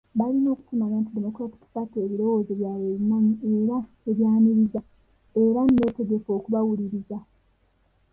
Balina okukimanya nti Democratic Party ebirowoozo byabwe ebimanyi era ebyaniriza era nneetegefu okubawuliriza.